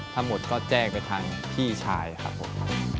ทั้งหมดก็แจ้งไปทางพี่ชายครับผม